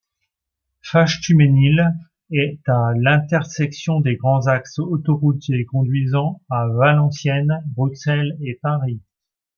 Faches-Thumesnil est à l'intersection des grands axes autoroutiers conduisant à Valenciennes, Bruxelles et Paris.